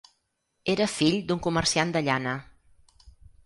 Era fill d'un comerciant de llana.